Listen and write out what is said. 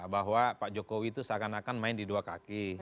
bahwa pak jokowi itu seakan akan main di dua kaki